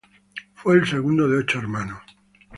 Fue el segundo de ocho hermanos.